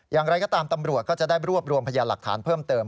อย่างไรก็ตามตำรวจก็จะได้รวบรวมพยานหลักฐานเพิ่มเติม